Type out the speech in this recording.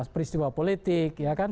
peristiwa politik ya kan